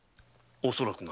恐らくな。